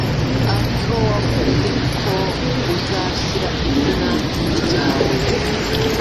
ari ho wavuze ko uzashyira izina ryawe